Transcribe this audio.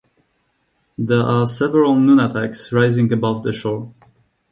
There are several nunataks rising above the shore.